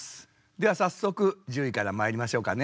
では早速１０位からまいりましょうかね。